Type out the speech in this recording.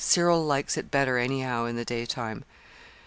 Cyril likes it better, anyhow, in the daytime."